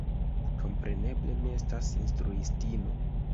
Kompreneble mi estas instruistino.